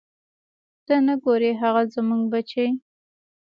ته نه ګورې هغه زموږ بچی.